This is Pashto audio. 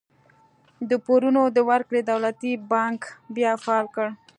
د پورونو د ورکړې دولتي بانک بیا فعال کړ.